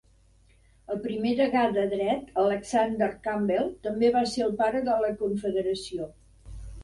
El primer degà de Dret, Alexander Campbell, també va ser el "pare de la Confederació".